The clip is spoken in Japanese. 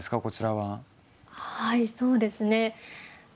はいそうですね